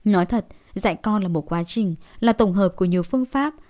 nói thật dạy con là một quá trình là tổng hợp của nhiều phương pháp